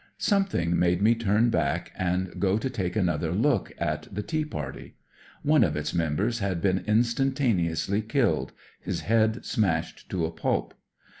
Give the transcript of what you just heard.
"Something made me turn back and go to take another look at the tea pariy. One of its members had been instan taneously killed, his head smashed to a pulp.